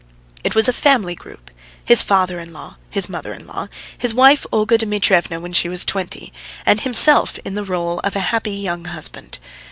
It was a family group: his father in law, his mother in law, his wife Olga Dmitrievna when she was twenty, and himself in the rôle of a happy young husband.